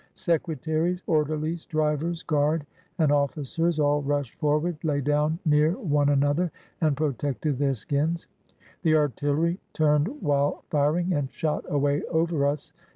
Secretaries, orderhes, drivers, guard, and officers all rushed forward, lay down near one another, and protected their skins. The artillery turned while firing and shot away over us.